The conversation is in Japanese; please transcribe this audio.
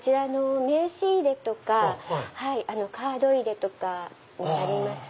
名刺入れとかカード入れとかになります。